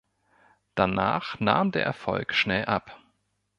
Danach nahm der Erfolg schnell ab.